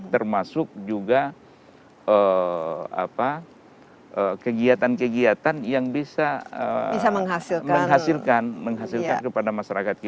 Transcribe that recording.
termasuk juga kegiatan kegiatan yang bisa menghasilkan kepada masyarakat kita